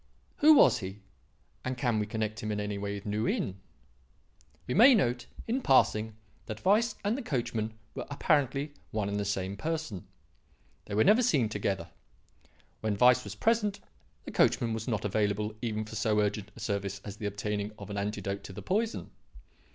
Who was he? and can we connect him in any way with New Inn? "We may note in passing that Weiss and the coachman were apparently one and the same person. They were never seen together. When Weiss was present, the coachman was not available even for so urgent a service as the obtaining of an antidote to the poison.